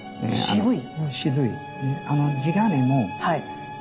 渋い。